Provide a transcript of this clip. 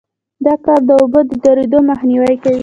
دا کار د اوبو د درېدو مخنیوی کوي